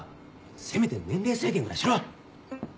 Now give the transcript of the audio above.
せめて年齢制限ぐらいしろ。